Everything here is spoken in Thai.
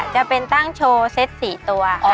จะเป็นตั้งโชว์เซ็ต๔ตัว